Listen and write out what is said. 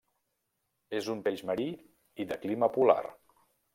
És un peix marí i de clima polar.